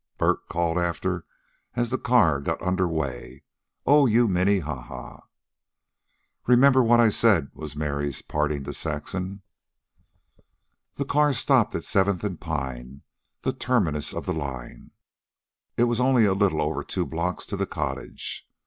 Bert called after, as the car got under way. "Oh, you Minnehaha!" "Remember what I said," was Mary's parting to Saxon. The car stopped at Seventh and Pine, the terminus of the line. It was only a little over two blocks to the cottage.